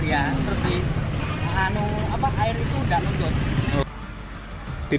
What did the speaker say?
terus air itu sudah muncul